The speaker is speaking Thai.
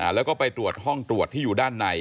แล้วก็ไปตรวจห้องตรวจที่อยู่ด้านใน